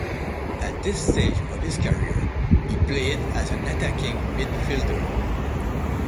At this stage of his career, he played as an attacking midfielder.